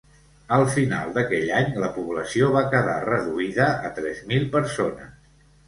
A final d'aquell any la població va quedar reduïda a tres mil persones.